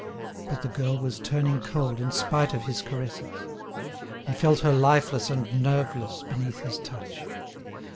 But the girl was turning cold in spite of his caresses. He felt her lifeless and nerveless beneath his touch.